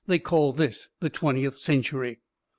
They call this the twentieth century!"